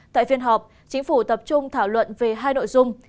tại phiên họp chính phủ tập trung thảo luận về hai nội dung